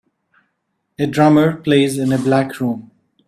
A drummer plays in a black room.